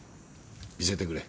見せてくれ。